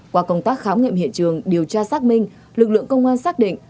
qua công tác khám nghiệm hiện trường điều tra xác minh lực lượng công an xác định